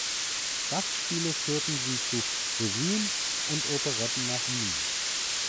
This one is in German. Gastspiele führten sie zu Revuen und Operetten nach Wien.